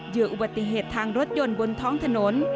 อุบัติเหตุทางรถยนต์บนท้องถนน